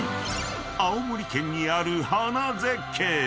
［青森県にある花絶景］